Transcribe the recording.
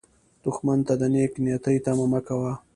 دښمن ته د نېک نیتي تمه مه کوه